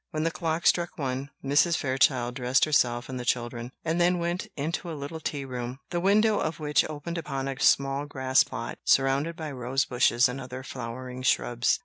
When the clock struck one, Mrs. Fairchild dressed herself and the children, and then went into a little tea room, the window of which opened upon a small grass plot, surrounded by rose bushes and other flowering shrubs.